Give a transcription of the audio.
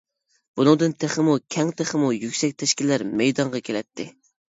بۇنىڭدىن تېخىمۇ كەڭ تېخىمۇ يۈكسەك تەشكىللەر مەيدانغا كېلەتتى.